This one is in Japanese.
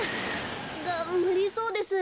がむりそうです。